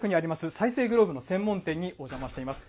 再生グローブの専門店にお邪魔しています。